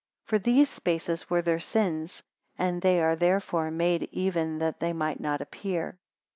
For these spaces were their sins, and they are therefore made even that they might not appear.